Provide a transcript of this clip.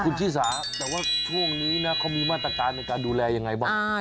คุณชิสาแต่ว่าช่วงนี้นะเขามีมาตรการในการดูแลยังไงบ้าง